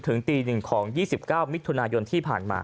ถึงตี๑ของ๒๙มิยที่ผ่านมา